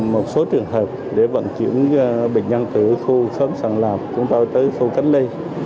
một số trường hợp để vận chuyển bệnh nhân từ khu xóm sàng lạp chúng ta tới khu cánh lây